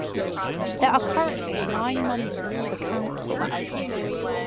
There are currently nine members of the council.